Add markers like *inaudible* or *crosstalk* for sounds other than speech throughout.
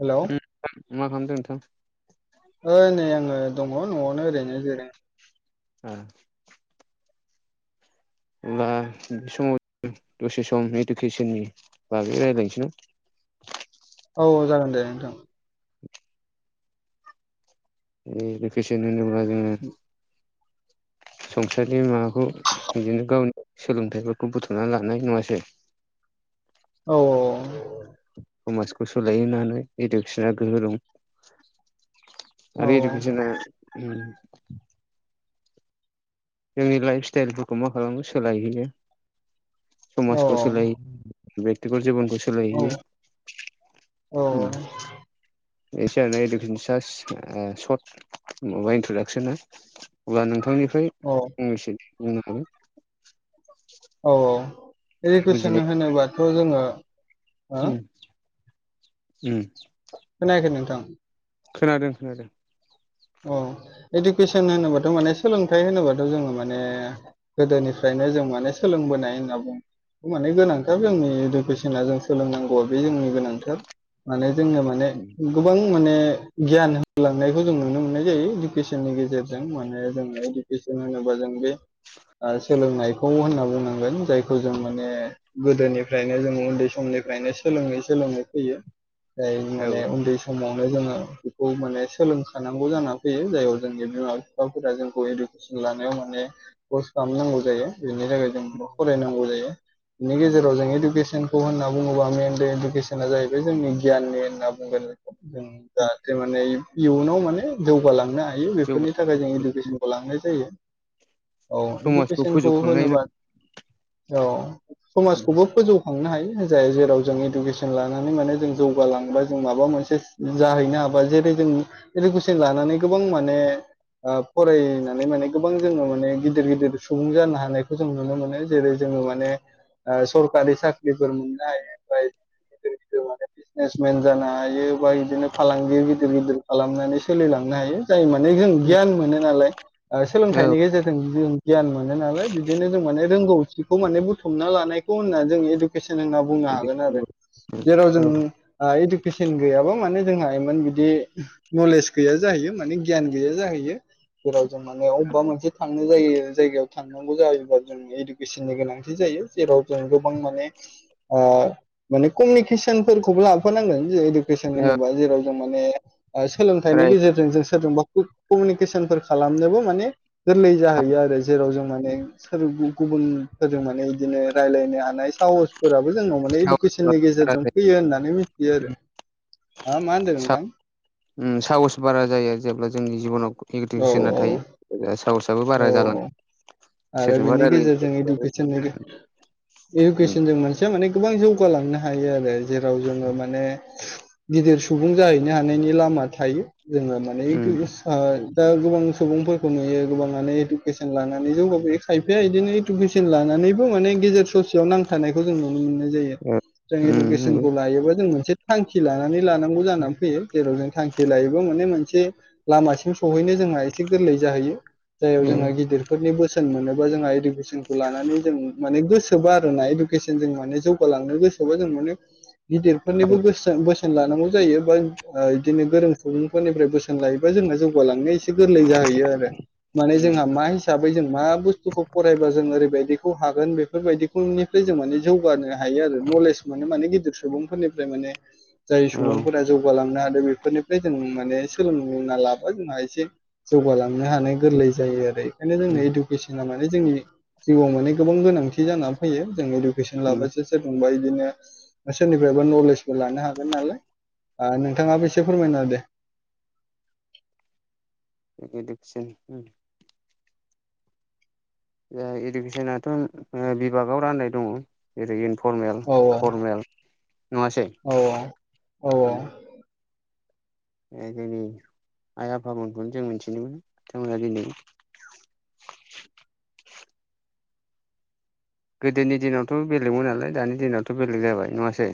Hello मा खालामदों नोंथां? ओइ नै आङो दङ न'आवनो ओरैनो जिरायनानै औ अब्ला बे समाव दसे सम इडुकेसननि बागै रायज्लायनोसै औ औ जागोन दे नोंथां। *inaudible* भेकेसन होनोब्ला जोङो संसारनि माबाखौ बिदिनो गावनि सोलोंथाइफोरखौ बुथुमना लानाय नङासै। औ समाजखौ सोलाय होननानै इडुकेसना गोहो दं औ आरो इडुकेचनआ जोंनि लाइफ स्टाइलफोरखौ मा खालामो सोलायहैयो औ समाजखौ सोलायहैयो। बेकतिगद जिबनखौ औ सोलायहोयो। औ एसे आरो इडुकेसन सास्ट सर्ट माबा इन्ट्रदाक्सना अब्ला नोंथांनिफ्राय औ फंनैसै बुंनो हागोन औ औ इदुकेइसन बुजिनाय होनोबाथ' जोङो हो उम उम खोनायाखै नोंथां खोनादों खोनादों औ इडुकेसन होनोबाथ' माने सोलोंथाइ होनोबाथ' जोङो माने गोदोनिफ्रायनो जों माने सोलोंबोनाय होनना बुं माने गोनां थाब उम जोंनि इडुकेसना जों सोलोंनांगौआ बे जोंनि गोनांथार माने जोंनो माने उम गोबां माने गियान होलांनायखौ जों नुनो मोना य जायो इडुकेसननि गेजेरजों माने जोङो इडुकेसन होनोबा जों बे सोलोंनायखौ होनना बुंनांगोन जायखौ जों माने गोदोनिफ्रायनो जों उन्दै समनिफ्रायनो सोलोंङै सोलोंङै फैयो। जाय औ माने उन्दै समावनो जोंङो बेखौ माने सोलोंखानां गौ जाना फैयो जाय जोंनि बिमा बिफाफोरा जोंखौ इडुकेसन लानायाव माने फर्स खालामनांगौ जायो बेनि थाखाय जों फरायनांगौ जायो। बिनि गेजेराव जों इडुकेसनखौ होनना बुंङोबा मेेनलि इडुकेसना जाहैबाय जोंनि गियाननि होनना बुंगोन जों उम जाहाथे माने इयुनाव माने जौगालांनो हायो जौगा बेफोरनि थाखाय जों इडुकेसनखौ लांनाय जायो। औ समाजखौ इडुकेसनखौ फोजौखांनायनि औ होनोबा औ समाजखौबो फोजौखांनो हायो जायो जेराव जों इडुकेसन लानानै माने जों जौगालांबा जों माबा मोनसे जाहैनो हाबा जेरै जों गोबां माने फरायनानै माने गोबां जोंङो माने गिदिर गिदिर सुबुं जानो हानायखौ जों नुनो मोनो जेरै जोङो माने ओ सरकारि साख्रिफोर मोननाय हायो ओमफ्राय *unintelligible* बिजनेसमेन जानो हायो बा बिदिनो फालांगि गिदिर गिदिर खालामनानै सोलिलांनो हायो। जायो माने जों गियान मोनो नालाय। ओ सोलोंथाइनि गेजेरजों जों गियान मोनो नालाय बिदिनो जों माने रोंगौथिखौ माने बुथुमना लानाय खौ होनना जों इडुकेसन होनना बुंनो हागोन आरो जेराव जों इडुकेसन गैयाबा माने जोंहा इमान बिदि नलेज गैया जाहैयो माने गियान गैया जाहैयो। जेराव जों माने अबेबा मोनसे थांनो जायो जायगायाव थांनांगौ जायोबा जों इडुकेसननि गोनांथि जायो जेराव जों गोबां माने ओ माने कमिउनिकेसनफोरखौबो लाफानांगोन जेरै इदु केसन होनोबा जेराव जों माने ओ सोलोंथाइनि गेजेरजों जों सोरजोंबा कमिउनिकेसनफोर खालामनोबो माने गोरलै जाहैयो आरो जेराव जों माने सोर गुबुनफोरजों माने बिदिनो रायज्लायनो हानाय साहस फोराबो जोंनाव माने इडुकेसननि गेजेरजों फैयो होननानै मिथियो आरो। आ मा होनदो नोंथां? ओम साहस बारा जायो जेब्ला जोंनि जिबनाव औ इदुकेसना थायो ओ साहसा बो औ बारा जालाङो आरो सोरजोंबा बेनि रायलायनो *unintelligible* उम इडुकेसन जों मोनसे माने गोबां जौगालांनो हायो आरो जेराव जोङो माने गिदिर सुबुं जाहैनो हानायनि लामा थायो जोंङो मा नै उम गोसा दा गोबां सुबुंफोरखौ नुयो गोबांङानो इडुकेसन लानानै जौगा ओइ खायफाया बिदिनो इडुकेसन लानानैबो माने गेजेर ससेयाव नांथानायखौ जों नुनो मोननाय जायो जों उम नंगौ इडुकेसनखौ लायोबा जों मोनसे थांखि लानानै लानांगौ जानानै फैयो जेराव जों थांख खि लायोबा माने मोनसे लामासिम सहैनो जोंहा एसे गोरलै जाहैयो जाययाव जोंहा गिदिर फोरनि बोसो सोन मोनोबा जोंहा इडुकेसनखौ लानानै जों माने गोसोबा आरोना इडुकेसन जों माने जौगालांनो गोस थेवबो जों माने गिदिरफोरनिबो बोसोन बोसोन लानांगौ जायो बा ओ बिदिनो गोरों सुबुंफोरनिफ्राय बोसोन लायोबा जोंना जौगालांनो एसे गोरलै जाहैयो आरो माने जोंहा मा हिसाबै जों मा बुस्थुखौ फरायबा जों ओरैबायदिखौ हागोन बेफोरबायदिखौनिफ्राय जों माने जौगानो हायो आरो नलेज माने माने गिदिर सुबुंफोरनिफ्राय माने जाय औ सुबुंफोरा जौगालांनो हादों बेफोरनिफ्राय जों माने सोलोंना लाबा जोंहा एसे जौगालांनो हानाय गोरलै जायो आरो बेखायनो उम जोंनो इडुकेसना माने जोंनि जिउआव माने गोबां गोनांथि जानानानै फैयो जों इडुकेसन उम लाबासो सोरजोंबा इदिनो सोरनिफ्रायबा नलेजबो लानो हागोन नालाय ओ नोंथाङाबो एसे फोरमायना दे ओ इडुकेसन ए इडुकेसनाथ' ए बिभागाव राननाय दङ जेरै इनफरमेल औ फरमेल नंङासै औ औ ओ जोंनि आइ आफामोनखौनो जों मिथिनो मोनो बिथांमोना दिनै गोदोनि दिनावथ' बेलेगमोन नालाय दानि दिनावथ' बेलेग जाबाय नङासै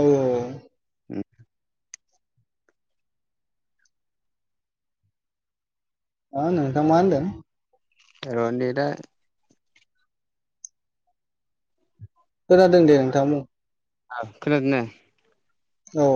औ औ उम अ नोंथां मा होनदों र' नेदा खोनादों दे नोंथां आब खोनादों ना औ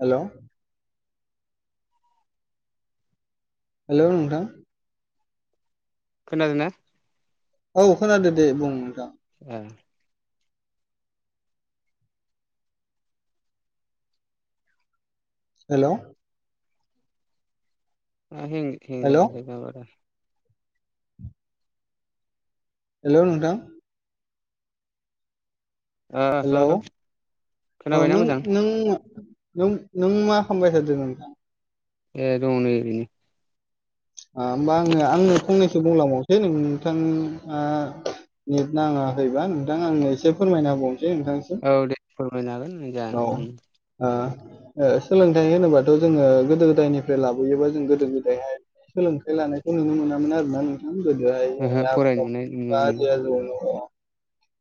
हेलौ हेल' नोंथां खोनादों औ खोनादो दे बुं नोंथां *unintelligible* हेलौ आ हें हेलौ हें *unintelligible* हेलौ नोंथां हेलौ हेल' हेल' औ खोनाबायना नों मोजां नों नों नों मा खालामबाय थादों नोंथां ए दङ नै ओरैनो आ होमबा आङो आंनो फंनैसो बुंलांबावनोसै नोंथाङा नेट नाङाखैबा नोंथां आंनो एसे फोरमायना होबावनोसै नोंथां औ दे फोरमायनो हागोन नोंजा ओ ओ ओ सोलोंथाइ होनोबाथ' जोङो गोदो गोदायनिफ्राय लाबोयोबा जों गोदो गोदाय सोलोंथाइ लानाय नुनो मोनामोन आरो ना नोंथां गोदोहाय ओहो आबै फरायनो आबौ मोननाय बिमा बा आजै आजौनिआव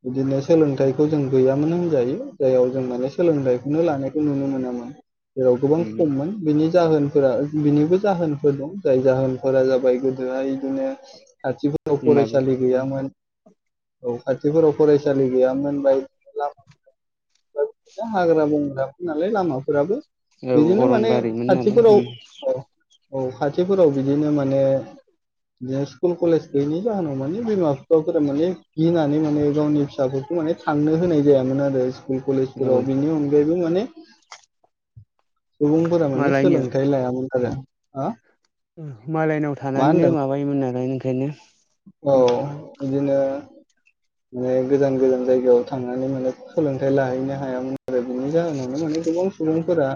बिदिनो सोलोंथाइखौ जों गैयामोनानो होनजायो जाययाव जों माने सोलोंथाइखौनो लानायखौ नुनो मोनामोन जेराव गोबां खममोन बिनि जाहोनफोरा बिनिबो जाहोनफोर दं जाय जाहोनफोरा जाबाय गोद दोहाय बिदिनो खाथिफोराव फरायसालि गैयामोन। औ खाथिफोराव फरायसालि गैयामोन बायक *unintelligible* हाग्रा बंग्राफोर नालाय लामाफोराबो औ बिदिनो माने अरनबारिमोन खाथिफोराव नालाय औ औ खाथिफोराव बिदिनो माने बिदिनो स्कुल कलेज गैयिनि जाहोनाव माने बिमा बिफाफोरा माने गिनानै माने गावनि फिसाफोरखौ माने थांनो होनाय जायामोन आरो स्कुल कलेज औ बेनि अनगायैबो माने सुबुंफोरा माने मालायनि सोलोंथाइ लायामोन आरो। हा मालायनाव मा थानानैनो होनदों माबायोमोन नालाय ओंखायनो औ उम बिदिनो माने गोजान गोजान जायगायाव थांनानै माने सोलोंथायाइ लाहैनो हायामोन। आरो बिनि जाहोनावनो माने गोबां सुबुंफोरा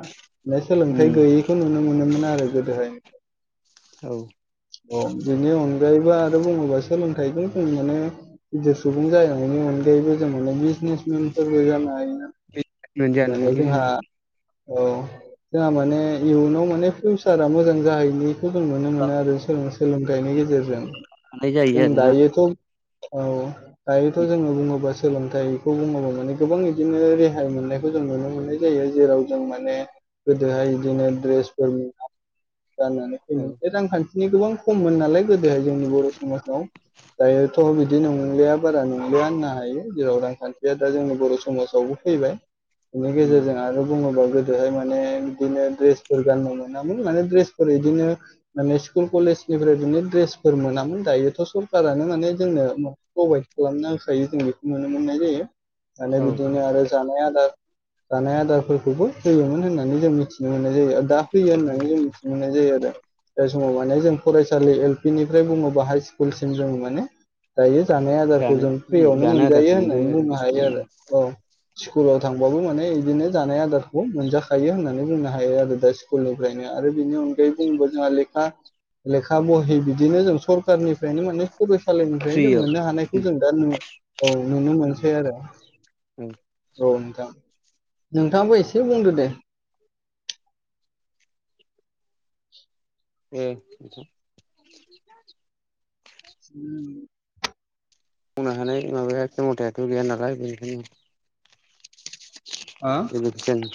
बेे उम सोलोंथाइ गैयै खौ नुनो मोनोमोन आरो गोदोहाय। औ। अ बिनि अनगायैबो आ बुङोबा सोलोंथाइखौ जों माने गिदिर सुबुं जानायनि अनगायैबो जों माने बिजनेसमेनफोरबो जानो हायोना बिजनेसमेन जानो माने जोंहा हायो औ जोंहा माने इयुनाव माने फिउसारा मोजां जाहैनि खौ जों नुनो मोनो आरो सोलोंथाइनि गेजेरजों। थानाय जायो जों आरोना दायोथ' औ दायोथ' जोङो बुङोबा सोलोंथाइ खौ *unintelligible* माने गोबां बिदिनो रेहाय मोननायखौ जों नुनो मोननाय जायो जेराव जों माने गोदोहाय बिदिनो द्रेसफोर *unintelligible* गाननानै औ रांखान्थिनि गोबां खममोन नालाय गोदोहाय जोंनि बर' समाजाव दायोथ' बिदि नंलिया बारा नंलिया होननो हायो जेराव रांखान्थिया दा जोंनि बर' समाजाव फैबाय बिनि उम गेजेरजों आरो बुङोबा गो बेहाय माने बिदिनो ड्रेसफोर गाननो मोनामोन माने ड्रेसफोर बिदिनो माने स्कुल कलेजनिफ्राय बिदिनो ड्रेसफोर मोनामोन। दायोथ' सरखारानो माने जोंनो *unintelligible* प्रभाइद खालामना होखायो जों बेखौ नुनो मोननाय जायो। *unintelligible* औ बिदिनो आरो जानाय आदार जानाय आदारफोरखौबो होयोमोन होननानै जों मिथिनो मोननाय जायो दा फैयो उम होननानै जों मिथिनो मोननाय जायो आरो जाय समाव माने जों फरायसालि एल पि निफ्राय बुङो बा हाय स्कुलसिम जों माने दायो जानाय आदारखौ जानो जों उम फ्रियावनो जानो आदारखौ मोनजायो होननानै आरो बुंनो हायो आरो औ। स्कुलाव थांबाबो माने बिदिनो जानाय आदारखौ मोनजाखायो होननानै बुंनो हायो आरो दा स्कुल निफ्रायनो आरो बिनि अनगायै बुंबो जोंहा लेखा लेखा बहि बिदिनो जों सरखारनि बेनि माने फरायसालिनिफ्रायनो जों फ्रियाव मोननो हानायखौ जों दा नु औ नुनो उम मोनसै आरो। औ नोंथां। नोंथाङाबो एसे बुंदो दे। उम *unintelligible* मावनो हानाय माबाया खेम'थायाथ' गैया नालाय बेनिखायनो हा लोगोफोरजों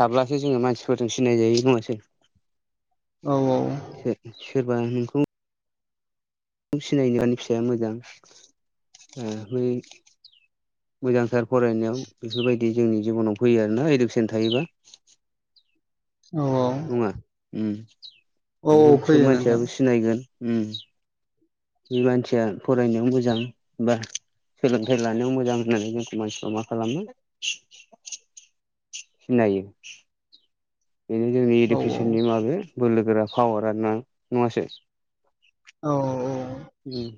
थाब्लासो जोङो मानसिफोरजों सिनाय जाय नङासै? औ औ सोर-सोरबा नोंखौ सिनायनो आंनि फिसाया मोजां ओ बै मोजांथार फरायनायाव बेफोरबायदि जोंनि जिबनाव फैयो आरोना इडुकेसन थायोबा। औ उम नङा औ औ नोंखौ सब फैयो नोंथां मानसियाबो सिनायगोन उम बे मानसिया फरायनायाव मोजां बा सोलोंथाइ लानायाव मोजां होननानै जोंखौ मानसिफ्रा मा खालामो सिनायो बेनो जोंनि औ इडुकेसननि माबे बोलोगोरा पावारा ना नङासो? औ औ उम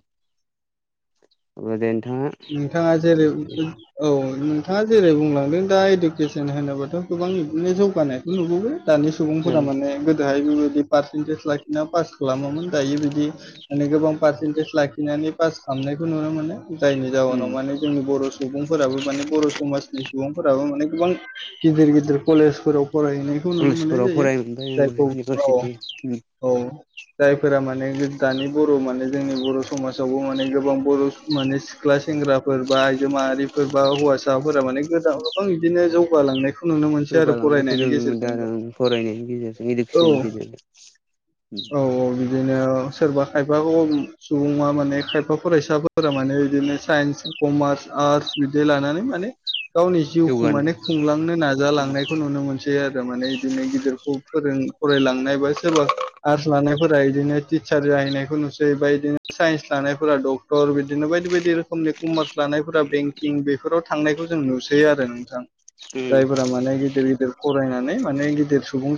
होमबा दे नोंथाङा नोंथाङा जेरै औ नोंथाङा जेरै बुंलांदों दा इडुकेसन होनोबाथ' गोबां बिदिनो जौगानायखौ' नुबोबाय दानि सुबुंफोरा औ माने गोदोहाय बेबायदि पारसेन्टेज लाखिना पास खालामोमोन दायो बिदि माने गोबां पारसेन्टेज लाखिनानै पास खालामनायखौ नुनो मोनो जायनि जााहनाव उम माने जोंनि बर' स सुबुंफोराबो माने बर' समाजनि सुबुंफोराबो माने गोबां गिदिर गिदिर कलेजफोराव फरायहैनायखौ नुनो मोननाय कलेजफोराव जायो फरायमोनबाय जायखौ औ इउनिभारसिटि उम औ जायफोरा माने दानि बर' माने जोंनि बर' समाजावबो माने गोबां बर' माने सिख्ला सेंग्राफोर बा आइजो माहारिफोर बा हौवासाफोरा माने गोदान गोबां बिदिनो जौगालांनायखौ नुनो मोनसै आरो जौगालांनायखौ जों फरायनायनि नुनो मोनदों आरो गेजेरजोंबो फरायनायनि गेजेरजों औ इडुकेसननि गेजेरजों औ औ बि बिदिनो सोरबा खायफाखौ सुबुङा माने खायफा फरायसाफोरा माने बिदिनो साइन्स कमार्स आर्स बिदि लानानै माने गावनि जिउखौ जौगानो माने खुंलांनो नाजालांनायखौ नुनो मोनसै दे आजा माने बिदिनो गिदिरखौ फोरों फरायलांनाय बा सोरबा आर्स लानायफोरा बिदिनो टिचार जाहैनायखौ नुसै बओमा बिदिनो साइन्स लानायफोरा डक्टर बिदिनो बायदि बायदि दि रोमखनि कमार लानायफोरा बेंकिं बेफोराव थांनायखौ जों नुसै आरो नोंथां उम जाय फोरा माने गिदिर गिदिर फरायनानै माने गिदिर सुबुं